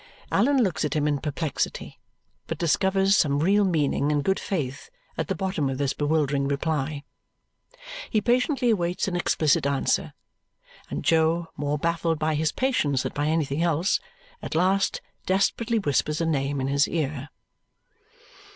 Allan looks at him in perplexity, but discovers some real meaning and good faith at the bottom of this bewildering reply. He patiently awaits an explicit answer; and Jo, more baffled by his patience than by anything else, at last desperately whispers a name in his ear.